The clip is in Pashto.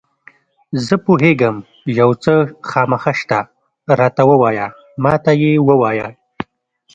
زه پوهېږم یو څه خامخا شته، راته ووایه، ما ته یې ووایه.